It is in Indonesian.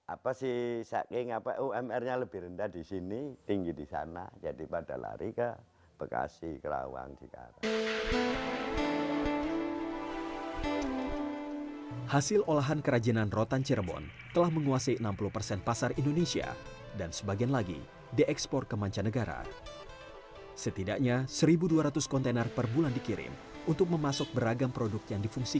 apa si saking umr nya lebih rendah di sini tinggi di sana jadi pada lari ke bekasi kerawang cikarang